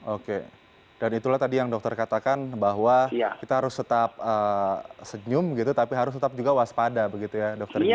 oke dan itulah tadi yang dokter katakan bahwa kita harus tetap senyum gitu tapi harus tetap juga waspada begitu ya dokter gigi